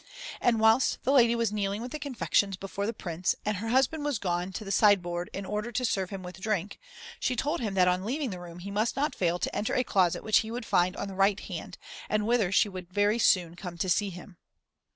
And, whilst the lady was kneeling with the confections before the Prince, and her husband was gone to the sideboard in order to serve him with drink, she told him that on leaving the room he must not fail to enter a closet which he would find on the right hand, and whither she would very soon come to see him.